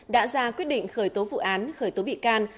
đã ra quyết định khởi tố vụ án khởi tố bị can